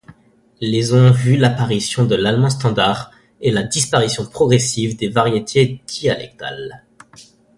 Les ont vu l’apparition de l’allemand standard et la disparition progressive des variétés dialectales.